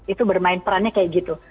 itu bermain perannya kayak gitu